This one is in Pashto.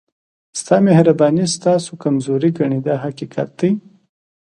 ستا مهرباني ستاسو کمزوري ګڼي دا حقیقت دی.